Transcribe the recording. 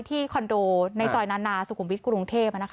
ที่คอนโดในซอยนานานาสูกุมวิทย์กรุงเทพฯ